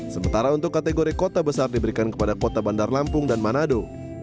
sementara untuk kategori kota besar diberikan kepada kota bandar lampung dan manado